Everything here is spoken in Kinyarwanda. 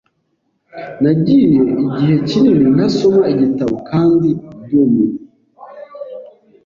Nagiye igihe kinini ntasoma igitabo kandi ndumiwe.